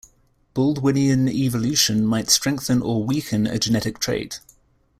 Baldwinian evolution might strengthen or weaken a genetic trait.